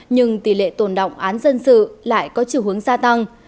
nhưng tỷ lệ tồn động án dân sự lại có chiều hướng gia tăng